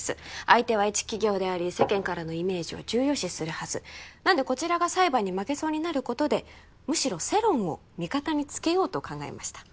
相手は一企業であり世間からのイメージを重要視するはずなんでこちらが裁判に負けそうになることでむしろ世論を味方につけようと考えました